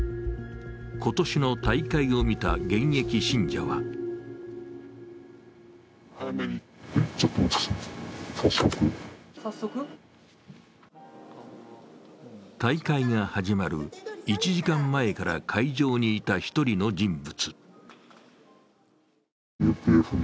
今年の大会を見た現役信者は大会が始まる１時間前から会場にいた１人の人物。